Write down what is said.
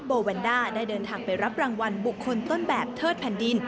โบแวนด้าได้เดินทางไปรับรางวัลบุคคลต้นแบบเทิดแผ่นดิน